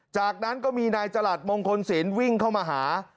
จากนั้นก็มีนายจรัสมงคลศีลวิ่งเข้ามาหา